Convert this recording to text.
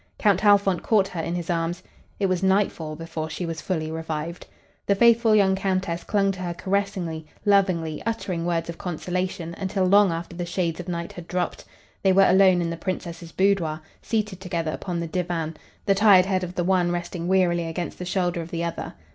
Count Halfont caught her in his arms. It was nightfall before she was fully revived. The faithful young Countess clung to her caressingly, lovingly, uttering words of consolation until long after the shades of night had dropped. They were alone in the Princess's boudoir, seated together upon the divan, the tired head of the one resting wearily against the shoulder of the other.